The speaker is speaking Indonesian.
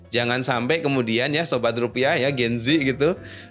jangan sampai kemudian ya sobat rupiah ya gen z gitu